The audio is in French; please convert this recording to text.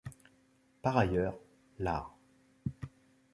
Par ailleurs, l'art.